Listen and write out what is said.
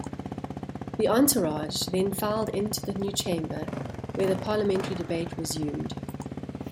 The entourage then filed into the new Chamber, where the parliamentary debate resumed.